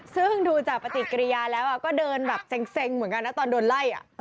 ซึ่งดูจากปฏิกิริยาแล้วก็เดินแบบเซ็งเหมือนกันนะตอนโดนไล่